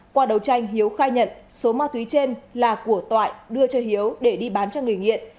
qua đầu tranh hiếu khai nhận số ma túy trên là của toại đưa cho hiếu để đi bán cho người nghiện